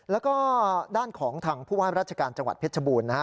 แล้วก็ด้านของทางผู้ว่าราชการจังหวัดเพชรบูรณนะฮะ